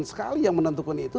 sekali yang menentukan itu